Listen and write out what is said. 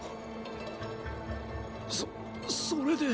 そそれで。